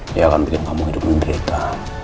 dia akan bikin kamu hidup menderita